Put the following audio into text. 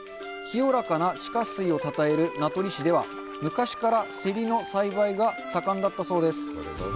清らかな地下水をたたえる名取市では昔から、せりの栽培が盛んだったそうです。